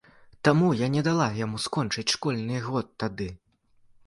Таму я не дала яму скончыць школьны год тады.